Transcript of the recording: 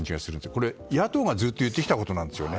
これ、野党がずっと言ってきたことなんですよね。